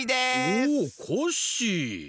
おっコッシー。